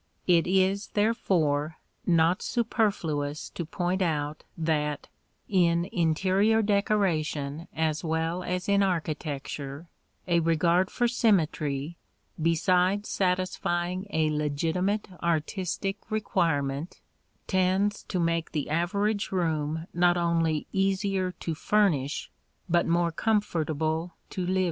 It is, therefore, not superfluous to point out that, in interior decoration as well as in architecture, a regard for symmetry, besides satisfying a legitimate artistic requirement, tends to make the average room not only easier to furnish, but more comfortable to live in.